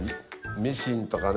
ミシンとかね